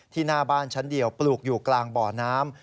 หน้าบ้านชั้นเดียวปลูกอยู่กลางบ่อน้ำ